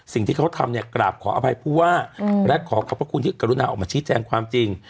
สิ่งที่เขาทำเนี่ยกราบขออภัยผู้ว่าและขอขอบพระคุณที่กรุณาออกมาชี้แจงความจริง